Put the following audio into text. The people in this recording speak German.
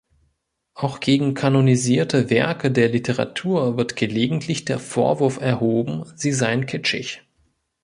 Auch gegen kanonisierte Werke der Literatur wird gelegentlich der Vorwurf erhoben, sie seien „kitschig“.